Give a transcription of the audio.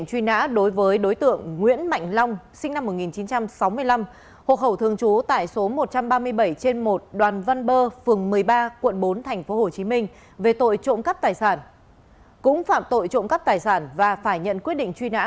cũng phạm tội trộm cắt tài sản và phải nhận quyết định truy nã